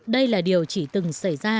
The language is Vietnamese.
đây là điều chỉ từng xảy ra